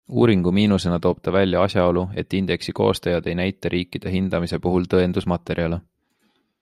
Uuringu miinusena toob ta välja asjaolu, et indeksi koostajad ei näita riikide hindamise puhul tõendusmaterjale.